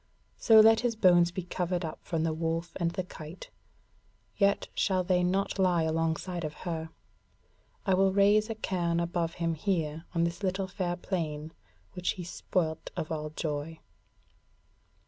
So let his bones be covered up from the wolf and the kite. Yet shall they not lie alongside of her. I will raise a cairn above him here on this fair little plain which he spoilt of all joy."